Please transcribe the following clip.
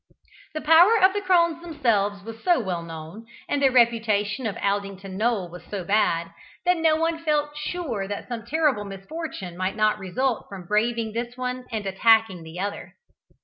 The power of the crones themselves was so well known, and the reputation of Aldington Knoll was so bad, that no one felt sure that some terrible misfortune might not result from braving the one and attacking the other.